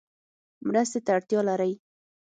مرستې ته اړتیا لری؟